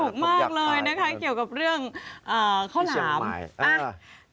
สนุกมากเลยนะคะเกี่ยวกับเรื่องข้าวหลามที่เชียงใหม่